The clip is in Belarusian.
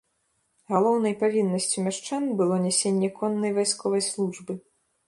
Галоўнай павіннасцю мяшчан было нясенне коннай вайсковай службы.